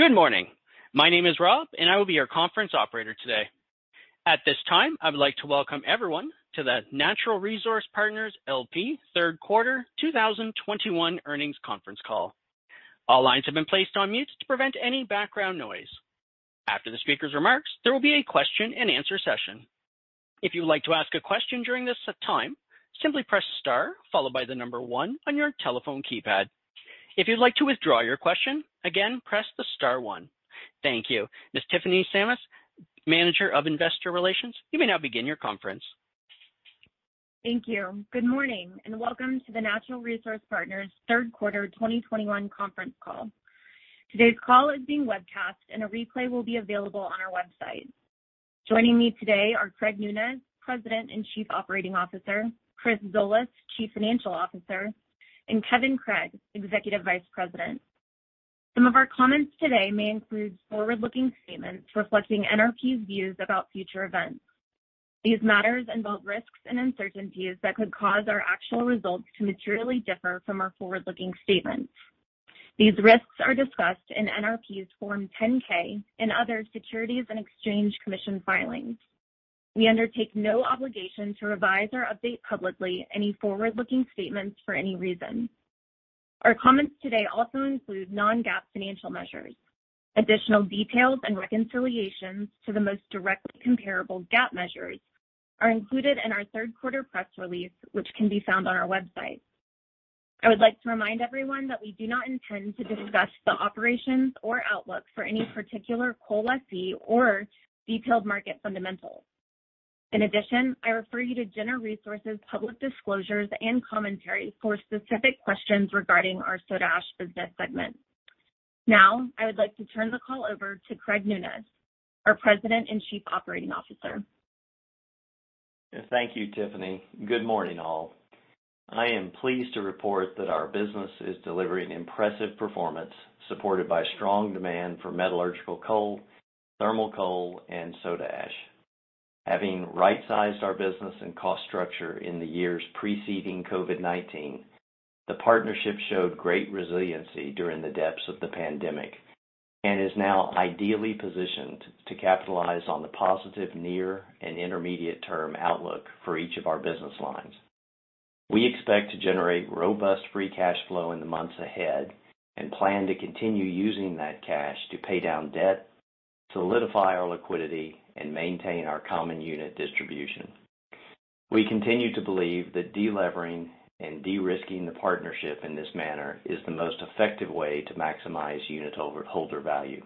Good morning. My name is Rob, and I will be your conference operator today. At this time, I would like to welcome everyone to the Natural Resource Partners L.P. third quarter 2021 earnings conference call. All lines have been placed on mute to prevent any background noise. After the speaker's remarks, there will be a question-and-answer session. If you would like to ask a question during this time, simply press star followed by the number one on your telephone keypad. If you'd like to withdraw your question, again, press the star one. Thank you. Miss Tiffany Sammis, Manager of Investor Relations, you may now begin your conference. Thank you. Good morning, and welcome to the Natural Resource Partners third quarter 2021 conference call. Today's call is being webcast, and a replay will be available on our website. Joining me today are Craig Nunez, President and Chief Operating Officer, Chris Zolas, Chief Financial Officer, and Kevin Craig, Executive Vice President. Some of our comments today may include forward-looking statements reflecting NRP's views about future events. These matters involve risks and uncertainties that could cause our actual results to materially differ from our forward-looking statements. These risks are discussed in NRP's Form 10-K and other Securities and Exchange Commission filings. We undertake no obligation to revise or update publicly any forward-looking statements for any reason. Our comments today also include non-GAAP financial measures. Additional details and reconciliations to the most directly comparable GAAP measures are included in our third quarter press release, which can be found on our website. I would like to remind everyone that we do not intend to discuss the operations or outlook for any particular coal lessee or detailed market fundamentals. In addition, I refer you to Ciner Resources public disclosures and commentaries for specific questions regarding our soda ash business segment. Now, I would like to turn the call over to Craig Nunez, our President and Chief Operating Officer. Thank you, Tiffany. Good morning, all. I am pleased to report that our business is delivering impressive performance supported by strong demand for metallurgical coal, thermal coal, and soda ash. Having right-sized our business and cost structure in the years preceding COVID-19, the partnership showed great resiliency during the depths of the pandemic and is now ideally positioned to capitalize on the positive near and intermediate-term outlook for each of our business lines. We expect to generate robust free cash flow in the months ahead and plan to continue using that cash to pay down debt, solidify our liquidity, and maintain our common unit distribution. We continue to believe that de-levering and de-risking the partnership in this manner is the most effective way to maximize unit holder value.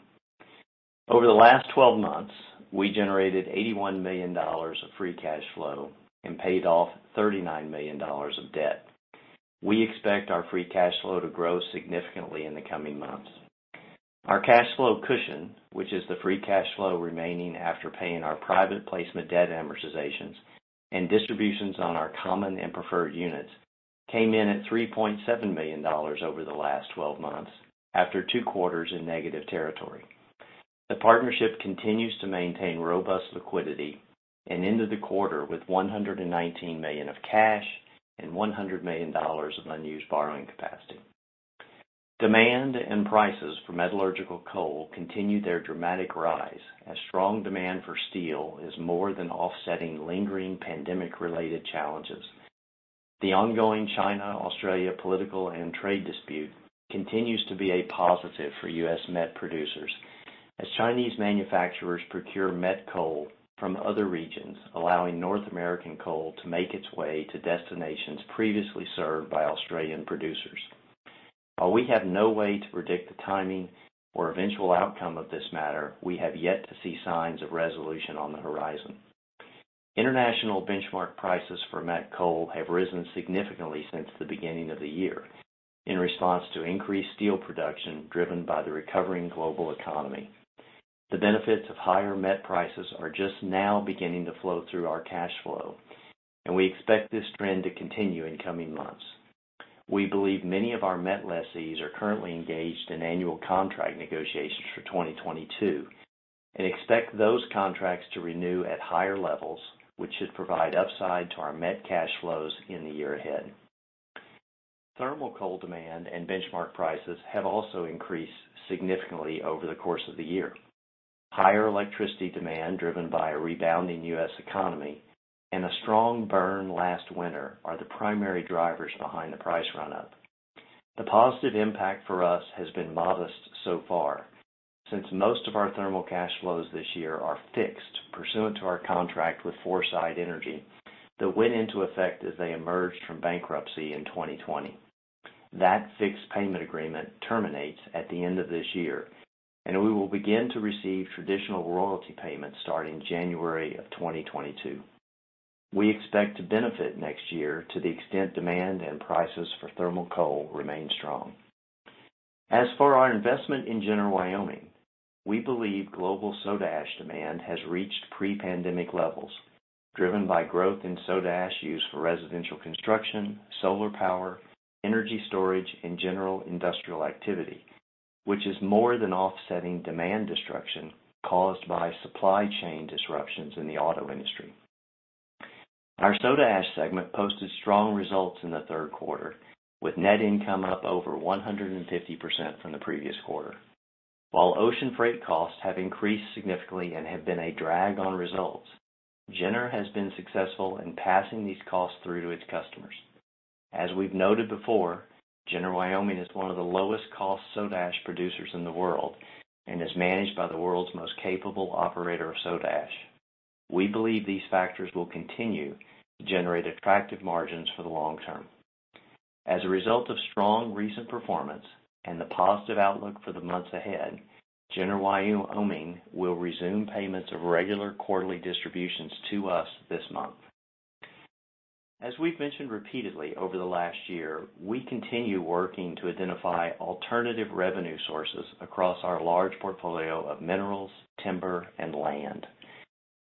Over the last 12 months, we generated $81 million of free cash flow and paid off $39 million of debt. We expect our free cash flow to grow significantly in the coming months. Our cash flow cushion, which is the free cash flow remaining after paying our private placement debt amortizations and distributions on our common and preferred units, came in at $3.7 million over the last 12 months after two quarters in negative territory. The partnership continues to maintain robust liquidity and ended the quarter with $119 million of cash and $100 million of unused borrowing capacity. Demand and prices for metallurgical coal continued their dramatic rise as strong demand for steel is more than offsetting lingering pandemic-related challenges. The ongoing China-Australia political and trade dispute continues to be a positive for U.S. met producers as Chinese manufacturers procure met coal from other regions, allowing North American coal to make its way to destinations previously served by Australian producers. While we have no way to predict the timing or eventual outcome of this matter, we have yet to see signs of resolution on the horizon. International benchmark prices for met coal have risen significantly since the beginning of the year in response to increased steel production driven by the recovering global economy. The benefits of higher met prices are just now beginning to flow through our cash flow, and we expect this trend to continue in coming months. We believe many of our met lessees are currently engaged in annual contract negotiations for 2022 and expect those contracts to renew at higher levels, which should provide upside to our met cash flows in the year ahead. Thermal coal demand and benchmark prices have also increased significantly over the course of the year. Higher electricity demand, driven by a rebounding U.S. economy and a strong burn last winter, are the primary drivers behind the price run-up. The positive impact for us has been modest so far since most of our thermal cash flows this year are fixed pursuant to our contract with Foresight Energy that went into effect as they emerged from bankruptcy in 2020. That fixed payment agreement terminates at the end of this year, and we will begin to receive traditional royalty payments starting January 2022. We expect to benefit next year to the extent demand and prices for thermal coal remain strong. As for our investment in Ciner Wyoming, we believe global soda ash demand has reached pre-pandemic levels driven by growth in soda ash used for residential construction, solar power, energy storage, and general industrial activity, which is more than offsetting demand destruction caused by supply chain disruptions in the auto industry. Our soda ash segment posted strong results in the third quarter, with net income up over 150% from the previous quarter. While ocean freight costs have increased significantly and have been a drag on results, Ciner has been successful in passing these costs through to its customers. As we've noted before, Ciner Wyoming is one of the lowest cost soda ash producers in the world and is managed by the world's most capable operator of soda ash. We believe these factors will continue to generate attractive margins for the long term. As a result of strong recent performance and the positive outlook for the months ahead, Ciner Wyoming will resume payments of regular quarterly distributions to us this month. As we've mentioned repeatedly over the last year, we continue working to identify alternative revenue sources across our large portfolio of minerals, timber, and land.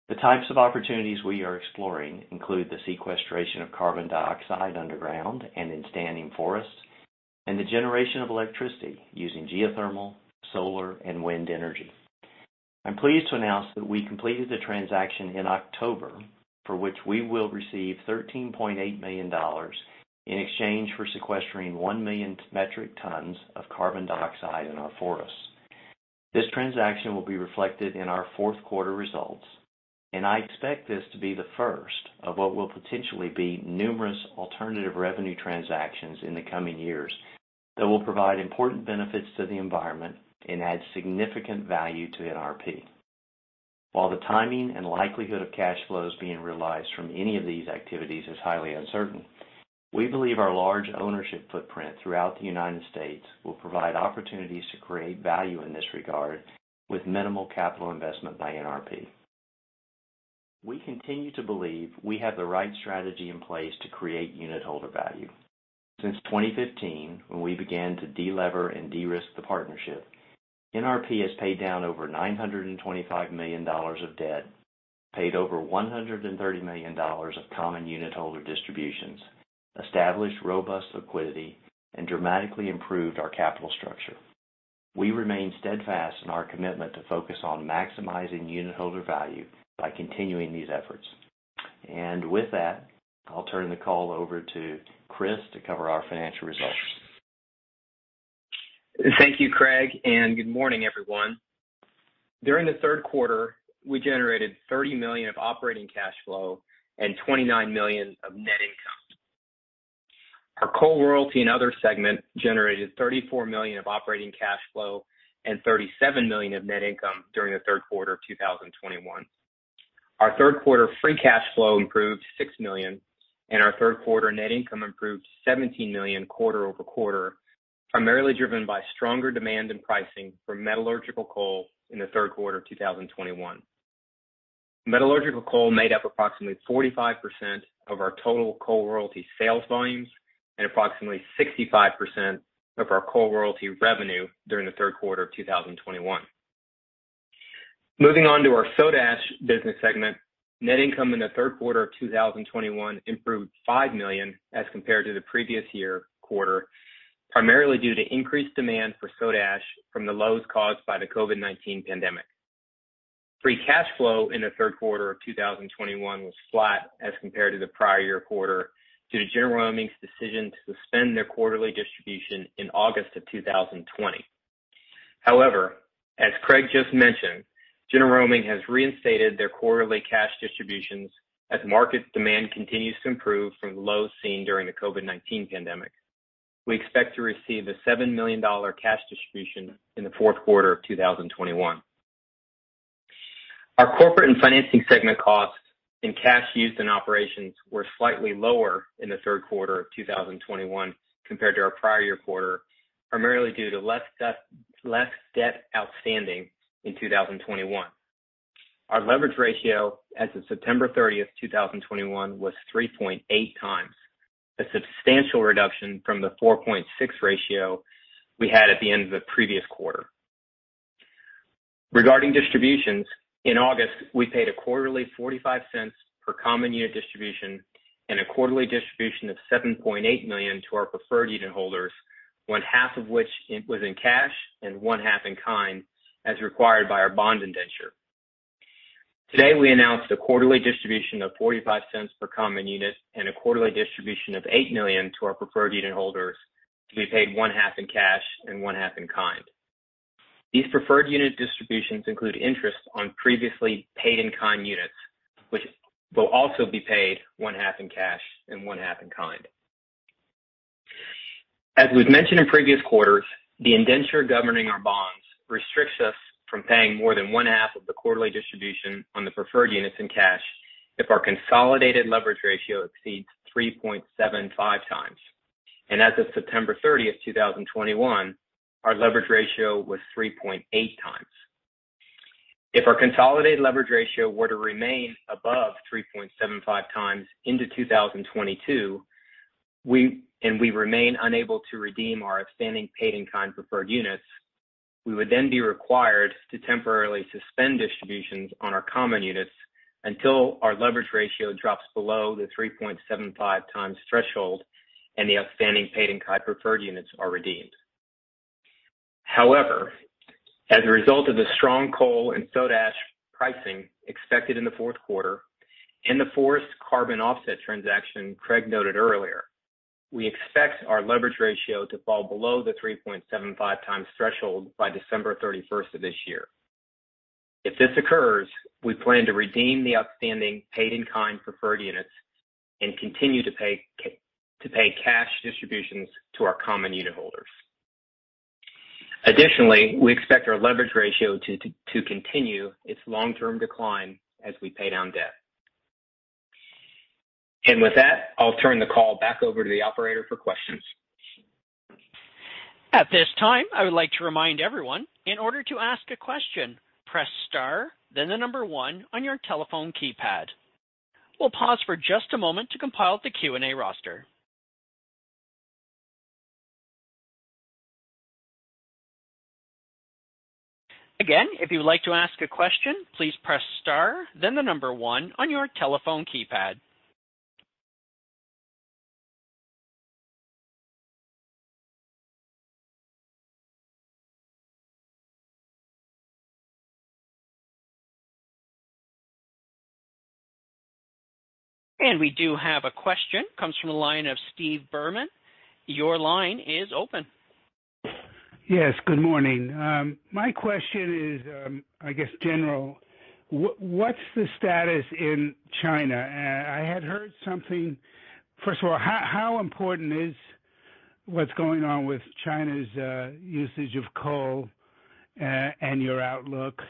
The types of opportunities we are exploring include the sequestration of carbon dioxide underground and in standing forests, and the generation of electricity using geothermal, solar, and wind energy. I'm pleased to announce that we completed the transaction in October, for which we will receive $13.8 million in exchange for sequestering 1,000,000 metric tons of carbon dioxide in our forests. This transaction will be reflected in our fourth quarter results, and I expect this to be the first of what will potentially be numerous alternative revenue transactions in the coming years that will provide important benefits to the environment and add significant value to NRP. While the timing and likelihood of cash flows being realized from any of these activities is highly uncertain, we believe our large ownership footprint throughout the United States will provide opportunities to create value in this regard with minimal capital investment by NRP. We continue to believe we have the right strategy in place to create unitholder value. Since 2015, when we began to de-lever and de-risk the partnership, NRP has paid down over $925 million of debt, paid over $130 million of common unitholder distributions, established robust liquidity, and dramatically improved our capital structure. We remain steadfast in our commitment to focus on maximizing unitholder value by continuing these efforts. With that, I'll turn the call over to Chris to cover our financial results. Thank you, Craig, and good morning, everyone. During the third quarter, we generated $30 million of operating cash flow and $29 million of net income. Our Coal Royalty and Other segment generated $34 million of operating cash flow and $37 million of net income during the third quarter of 2021. Our third quarter free cash flow improved $6 million and our third quarter net income improved $17 million quarter-over-quarter, primarily driven by stronger demand in pricing for metallurgical coal in the third quarter of 2021. Metallurgical coal made up approximately 45% of our total coal royalty sales volumes and approximately 65% of our coal royalty revenue during the third quarter of 2021. Moving on to our Soda Ash business segment. Net income in the third quarter of 2021 improved $5 million as compared to the previous year quarter, primarily due to increased demand for soda ash from the lows caused by the COVID-19 pandemic. Free cash flow in the third quarter of 2021 was flat as compared to the prior year quarter due to Ciner Wyoming's decision to suspend their quarterly distribution in August 2020. However, as Craig just mentioned, Ciner Wyoming has reinstated their quarterly cash distributions as market demand continues to improve from the lows seen during the COVID-19 pandemic. We expect to receive a $7 million cash distribution in the fourth quarter of 2021. Our Corporate and Financing segment costs and cash used in operations were slightly lower in the third quarter of 2021 compared to our prior year quarter, primarily due to less debt, less debt outstanding in 2021. Our leverage ratio as of September 30, 2021 was 3.8x, a substantial reduction from the 4.6 ratio we had at the end of the previous quarter. Regarding distributions, in August, we paid a quarterly $0.45 per common unit distribution and a quarterly distribution of $7.8 million to our preferred unitholders, one half of which was in cash and one half in kind, as required by our bond indenture. Today, we announced a quarterly distribution of $0.45 per common unit and a quarterly distribution of $8 million to our preferred unitholders to be paid one half in cash and one half in kind. These preferred unit distributions include interest on previously paid-in-kind units, which will also be paid one half in cash and one half in kind. As we've mentioned in previous quarters, the indenture governing our bonds restricts us from paying more than one half of the quarterly distribution on the preferred units in cash if our consolidated leverage ratio exceeds 3.75x. As of September 30, 2021, our leverage ratio was 3.8x. If our consolidated leverage ratio were to remain above 3.75x into 2022, we remain unable to redeem our outstanding paid-in-kind preferred units, we would then be required to temporarily suspend distributions on our common units until our leverage ratio drops below the 3.75x threshold and the outstanding paid-in-kind preferred units are redeemed. However, as a result of the strong coal and soda ash pricing expected in the fourth quarter and the forest carbon offset transaction Craig noted earlier, we expect our leverage ratio to fall below the 3.75x threshold by December 31 of this year. If this occurs, we plan to redeem the outstanding paid-in-kind preferred units and continue to pay cash distributions to our common unitholders. Additionally, we expect our leverage ratio to continue its long-term decline as we pay down debt. With that, I'll turn the call back over to the operator for questions. At this time, I would like to remind everyone, in order to ask a question, press star then the number one on your telephone keypad. We'll pause for just a moment to compile the Q&A roster. Again, if you would like to ask a question, please press star then the number one on your telephone keypad. We do have a question. Comes from the line of Steve Berman. Your line is open. Yes, good morning. My question is, I guess general, what's the status in China? I had heard something. First of all, how important is what's going on with China's usage of coal, and your outlook?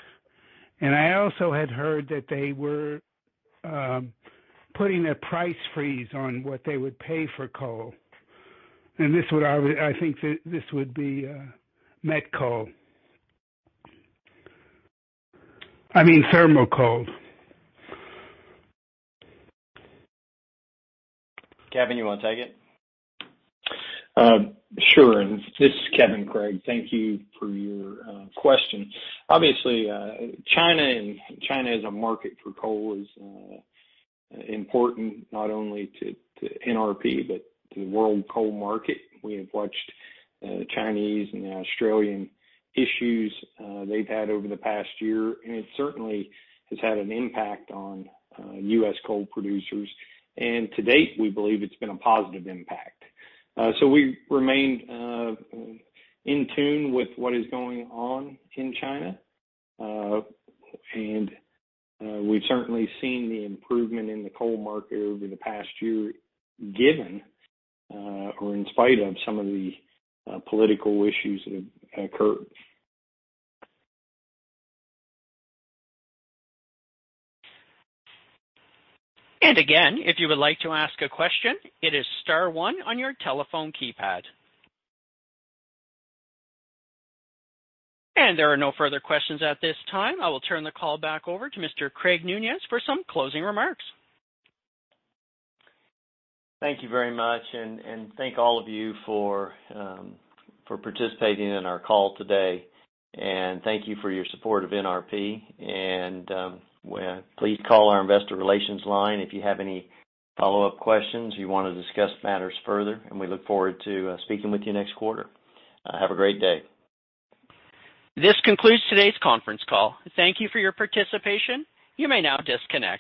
I also had heard that they were putting a price freeze on what they would pay for coal. This would be, I think this would be met coal. I mean, thermal coal. Kevin, you wanna take it? Sure. This is Kevin Craig. Thank you for your question. Obviously, China as a market for coal is important not only to NRP but to the world coal market. We have watched Chinese and Australian issues they've had over the past year. It certainly has had an impact on U.S. coal producers. To date, we believe it's been a positive impact. We remain in tune with what is going on in China. We've certainly seen the improvement in the coal market over the past year given or in spite of some of the political issues that have occurred. Again, if you would like to ask a question, it is star one on your telephone keypad. There are no further questions at this time. I will turn the call back over to Mr. Craig Nunez for some closing remarks. Thank you very much, and thank all of you for participating in our call today. Thank you for your support of NRP. Please call our investor relations line if you have any follow-up questions you wanna discuss matters further, and we look forward to speaking with you next quarter. Have a great day. This concludes today's conference call. Thank you for your participation. You may now disconnect.